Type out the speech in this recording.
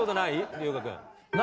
龍我君。